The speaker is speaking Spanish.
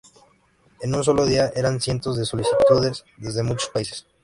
En un solo día, eran cientos las solicitudes, desde muchos países.